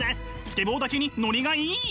スケボーだけにノリがいい！